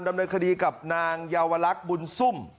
ดำเนินคดีกับนางเยาวลักษณ์บุญซุ่ม